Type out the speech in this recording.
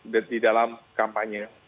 di dalam kampanye